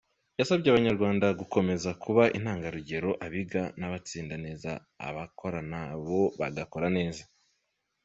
Yasabye Abanyarwanda gukomeza kuba intangarugero, abiga bagatsinda neza abakora nabo bagakora neza.